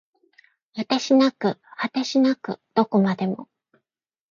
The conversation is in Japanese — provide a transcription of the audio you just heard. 果てしなく果てしなくどこまでも